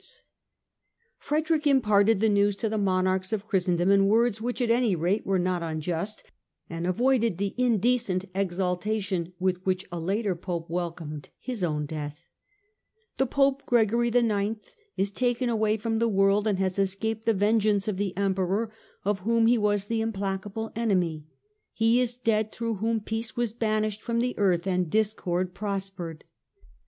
1 1 Matthew Paris. 202 STUPOR MUNDI Frederick imparted the news to the monarchs of Christendom in words which at any rate were not unjust and avoided the indecent exultation with which a later Pope welcomed his own death. " The Pope Gregory the Ninth is taken away from the world and has escaped the vengeance of the Emperor, of whom he was the implacable enemy. He is dead through whom peace was banished from the earth and discord prospered.